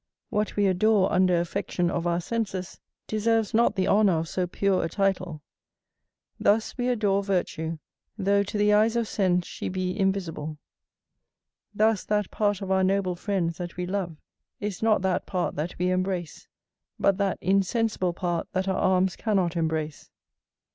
What we adore under affection of our senses deserves not the honour of so pure a title. Thus we adore virtue, though to the eyes of sense she be invisible. Thus that part of our noble friends that we love is not that part that we embrace, but that insensible part that our arms cannot embrace.